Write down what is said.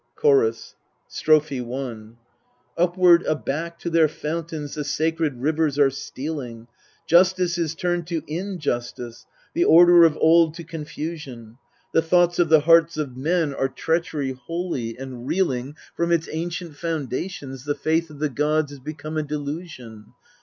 CHORUS. Strophe I Upward aback to their fountains the sacred rivers are stealing ; Justice is turned to injustice, the order of old to con fusion : The thoughts of the hearts of men are treachery wholly, and reeling MEDEA 257 From its ancient foundations, the faith of the gods is become a delusion.